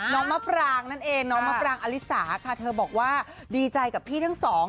มะปรางนั่นเองน้องมะปรางอลิสาค่ะเธอบอกว่าดีใจกับพี่ทั้งสอง